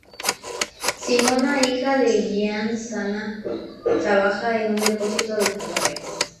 Simona hija de Gianni Sanna, trabaja en un depósito de cadáveres.